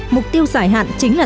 mục tiêu dài hạn chính là